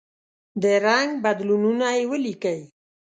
د رنګ بدلونونه یې ولیکئ.